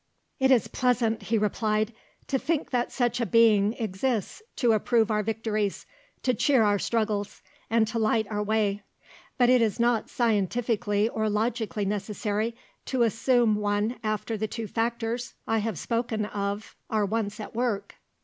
"It is pleasant," he replied, "to think that such a Being exists to approve our victories, to cheer our struggles, and to light our way; but it is not scientifically or logically necessary to assume one after the two factors I have spoken of are once at work."